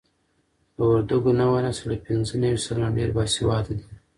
د وردګو نوی نسل له پنځه نوي سلنه ډېر باسواده دي.